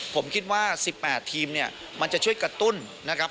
ผมคิดว่า๑๘ทีมเนี่ยมันจะช่วยกระตุ้นนะครับ